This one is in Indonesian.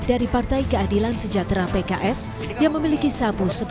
dari partai keadilan sejahtera atau pks sofian diketahui memiliki jaringan narkoba di malaysia